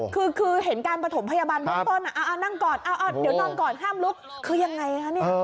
คือยังไงครับ